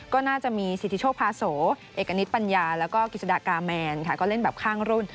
ก็น่าจะมีสิทธิโชคพาโสเอกณิตปัญญาแล้วก็กิจสดากาแมนค่ะก็เล่นแบบข้างรุ่น